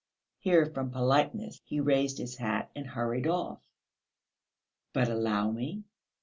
Here, from politeness, he raised his hat and hurried off. "But allow me...."